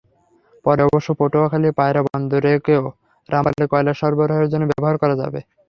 পরে অবশ্য পটুয়াখালীর পায়রা বন্দরকেও রামপালে কয়লা সরবরাহের জন্য ব্যবহার করা যাবে।